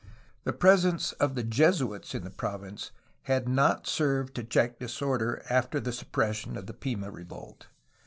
The presence of the Jesuits in the province had not served to check disorder, after the sup pression of the Pima revolt.